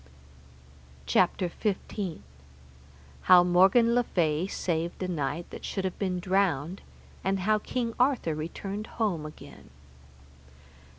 CHAPTER XV. How Morgan le Fay saved a knight that should have been drowned, and how King Arthur returned home again.